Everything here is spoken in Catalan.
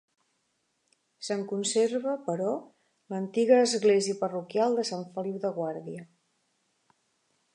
Se'n conserva, però, l'antiga església parroquial de Sant Feliu de Guàrdia.